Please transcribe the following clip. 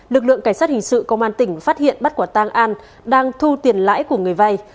lực lượng cảnh sát hình sự công an tỉnh phát hiện bắt quả tang an đang thu tiền lãi của người vay